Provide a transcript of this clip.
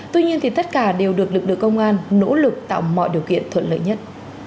tuy nhiên tất cả đều được lực lượng công an nỗ lực tạo mọi điều kiện thuận lợi nhất